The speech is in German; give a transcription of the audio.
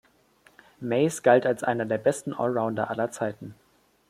Mays galt als einer der besten Allrounder aller Zeiten.